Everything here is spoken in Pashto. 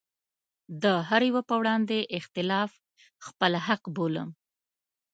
د هره يوه په وړاندې اختلاف خپل حق بولم.